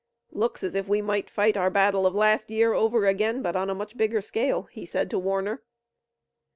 "Looks as if we might fight our battle of last year over again, but on a much bigger scale," he said to Warner.